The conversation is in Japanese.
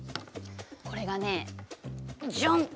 これがねジャン！